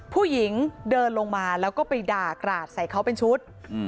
ผู้หญิงเดินลงมาแล้วก็ไปด่ากราดใส่เขาเป็นชุด